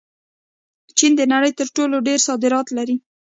چین د نړۍ تر ټولو ډېر صادرات لري.